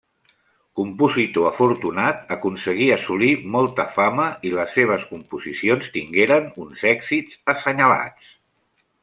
Compositor afortunat, aconseguí assolir molta fama i les seves composicions tingueren uns èxits assenyalats.